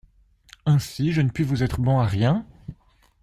Ainsi, je ne puis vous être bon à rien?